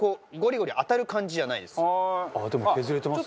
ああでも削れてますね。